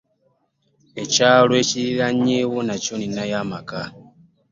Ekyalo ekiriraanyeewo nakyo nninayo amaka.